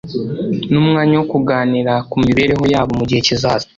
n’umwanya wo kuganira ku mibereho yabo mu gihe kizaza